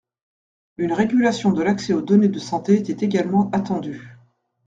Une régulation de l’accès aux données de santé était également attendue.